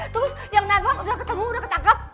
terus yang nabang udah ketemu udah ketangkep